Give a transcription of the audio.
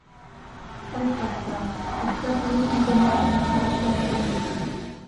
Сай паша, уржа тӱредме дене таҥастараш ок лий.